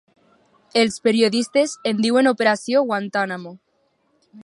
Els periodistes en diuen operació Guantánamo.